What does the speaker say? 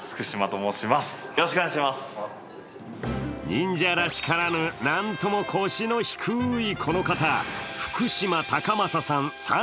忍者らしからぬ、なんとも腰の低いこの方、福島嵩仁さん